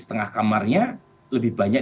setengah kamarnya lebih banyak